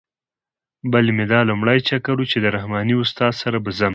بل مې دا لومړی چکر و چې د رحماني استاد سره به ځم.